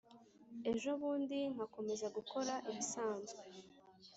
Ejobundi ngakomeza gukora ibisanzwe